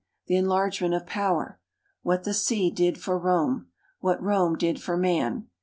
The enlargement of power. What tfie sea did for Rome. What Rome did for man.